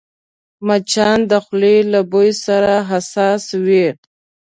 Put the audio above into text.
مچان د خولې له بوی سره حساس وي